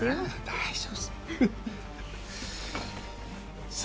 大丈夫さ